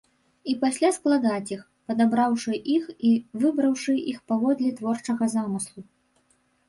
І пасля складаць іх, падабраўшы іх і выбраўшы іх паводле творчага замыслу.